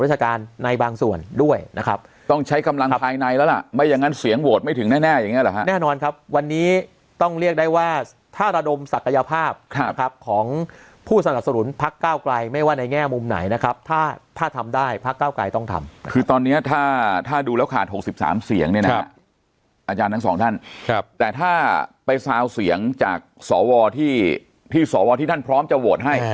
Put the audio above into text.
ทางส่วนด้วยนะครับต้องใช้กำลังภายในแล้วล่ะไม่อย่างนั้นเสียงโหวตไม่ถึงแน่อย่างนี้หรอครับแน่นอนครับวันนี้ต้องเรียกได้ว่าทาระดมศักยภาพครับของผู้สนับสนุนพักเก้ากลายไม่ว่าในแง่มุมไหนนะครับถ้าถ้าทำได้พักเก้ากลายต้องทำคือตอนนี้ถ้าถ้าดูแล้วขาด๖๓เสียงเนี่ยอาจารย์ทั้งสองท่านครับ